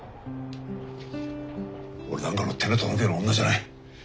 俺なんかの手の届くような女じゃない。